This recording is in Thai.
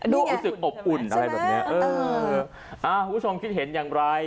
รู้สึกอบอุ่นอะไรแบบเนี้ยเอออ่าคุณผู้ชมคิดเห็นอย่างไร